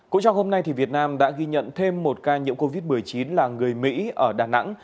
cũng trong hôm nay việt nam đã ghi nhận thêm một ca nhiễm covid một mươi chín là người mỹ ở đà nẵng